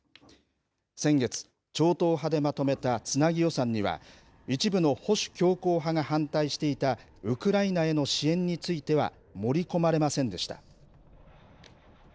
先月、超党派でまとめたつなぎ予算には、一部の保守強硬派が反対していたウクライナへの支援については盛り込まれませんでした。